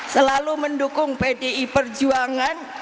selalu mendukung pdi perjuangan